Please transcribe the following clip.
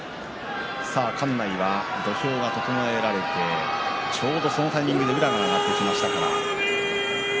館内は、土俵が整えられてちょうどそのタイミングで宇良が上がってきました。